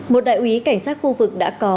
một đại úy cảnh sát khu vực đã có